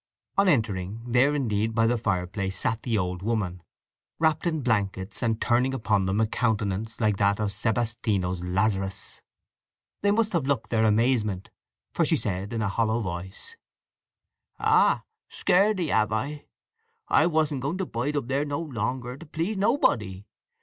On entering, there indeed by the fireplace sat the old woman, wrapped in blankets, and turning upon them a countenance like that of Sebastiano's Lazarus. They must have looked their amazement, for she said in a hollow voice: "Ah—sceered ye, have I! I wasn't going to bide up there no longer, to please nobody!